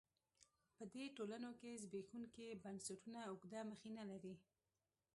په دې ټولنو کې زبېښونکي بنسټونه اوږده مخینه لري.